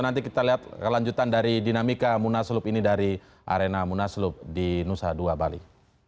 nanti kita lihat kelanjutan dari dinamika munaslup ini dari arena munaslup di nusa dua bali